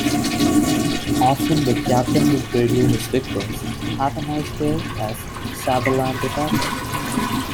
Often, the captain would radio his victims "Have a nice day" as "Sabalan" departed.